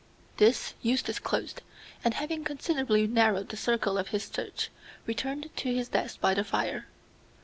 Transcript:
This Eustace closed, and having considerably narrowed the circle of his search, returned to his desk by the fire.